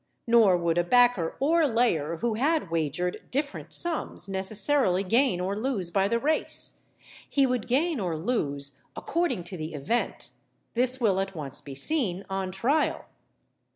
Nor would a backer or layer who had wagered different sums necessarily gain or lose by the race; he would gain or lose according to the event. This will at once be seen, on trial.